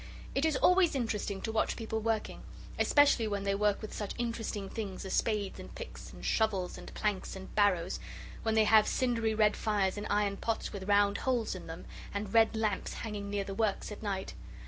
It is always interesting to watch people working, especially when they work with such interesting things as spades and picks and shovels and planks and barrows, when they have cindery red fires in iron pots with round holes in them, and red lamps hanging near the works at night.